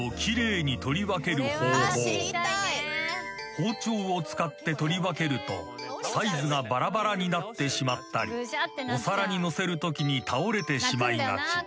［包丁を使って取り分けるとサイズがバラバラになってしまったりお皿に載せるときに倒れてしまいがち］